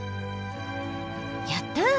やった！